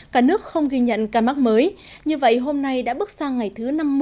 cả nước không ghi nhận ca mắc mới như vậy hôm nay đã bước sang ngày thứ năm mươi